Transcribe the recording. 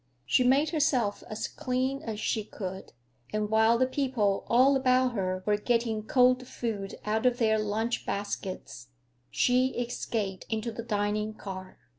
She made herself as clean as she could, and while the people all about her were getting cold food out of their lunch baskets she escaped into the dining car.